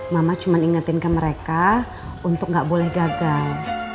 mama cuma ingetin ke mereka untuk gak boleh gagal